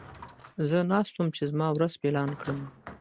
زه ناست وم چې زما ورځ پلان کړم.